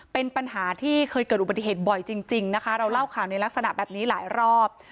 เป็นปัญหาที่เคยเกิดอุบัติเหตุบ่อยจริงนะคะเราเล่าข่าวในลักษณะแบบนี้หลายรอบ